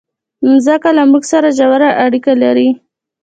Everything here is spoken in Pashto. مځکه له موږ سره ژوره اړیکه لري.